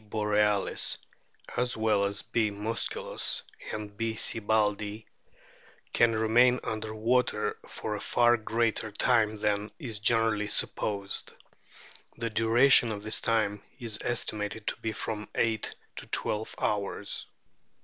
borealis (as well as B. musculus and B. sibbaldii) can remain under water for a far greater time than is generally supposed. The duration of this time is estimated to be from eight to twelve hours."